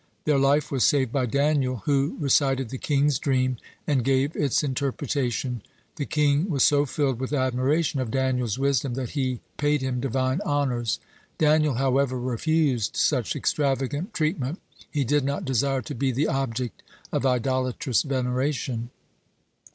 Their life was saved by Daniel, who recited the king's dream, and gave its interpretation. (80) The king was so filled with admiration of Daniel's wisdom that he paid him Divine honors. Daniel, however, refused such extravagant treatment he did not desire to be the object of idolatrous veneration.